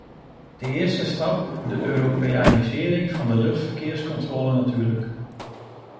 De eerste stap: de europeanisering van de luchtverkeerscontrole natuurlijk.